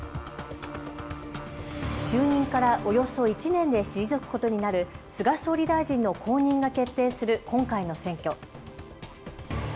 就任からおよそ１年で退くことになる菅総理大臣の後任が決定する今回の選挙。